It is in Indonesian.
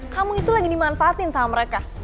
kamu itu lagi dimanfaatin sama mereka